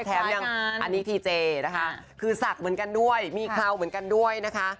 แถมยังอันนี้ทีเจนะคะคือศักดิ์เหมือนกันด้วยมีเคราวเหมือนกันด้วยนะคะ